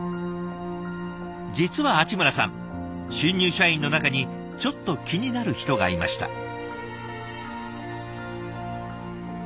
実は鉢村さん新入社員の中にちょっと気になる人がいました。